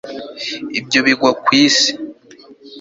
ibyo bigwa ku isi